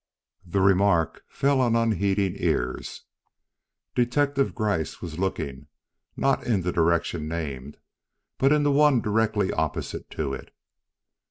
The remark fell upon unheeding ears. Detective Gryce was looking, not in the direction named, but in the one directly opposite to it.